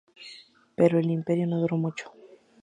Pero el Imperio no duró mucho.